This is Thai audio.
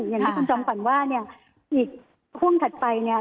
อย่างที่คุณจอมขวัญว่าเนี่ยอีกห่วงถัดไปเนี่ย